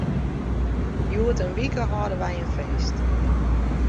Hjoed in wike hâlde wy in feest.